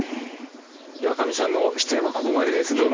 岩上さんの出演はここまでです。